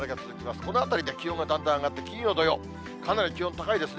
このあたりで気温がだんだん上がって、金曜、土曜、かなり気温高いですね。